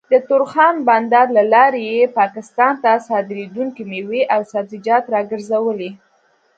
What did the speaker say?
د تورخم بندر له لارې يې پاکستان ته صادرېدونکې مېوې او سبزيجات راګرځولي